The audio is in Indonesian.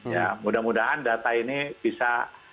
ya mudah mudahan data ini bisa